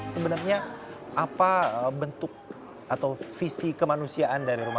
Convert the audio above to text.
sebenarnya apa bentuk atau visi kemanusiaan mereka